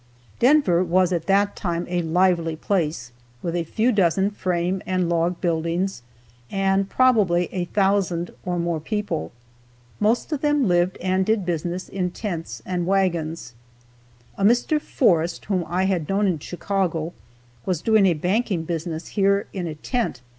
Denver was at that time a lively place, with a few dozen frame and log buildings, and probably a thousand or more people. Most of them lived and did business in tents and wagons. A Mr. Forrest, whom I had known in Chicago, was doing a banking business here in a tent.